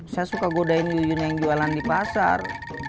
saya suka godain juni yang jualan di pasar